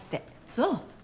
そう。